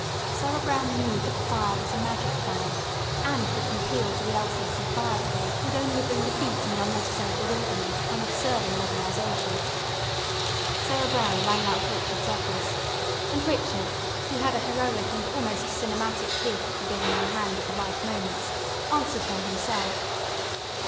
Sarah Brown knew that the fire was a magic fire, and that an appeal to the L.C.C. Fire Brigade would only bring defeat and unnecessary bewilderment upon a deserving organisation. Sarah Brown rang up Richard's office, and Richard, who had a heroic and almost cinematic gift for being on hand at the right moments, answered her himself.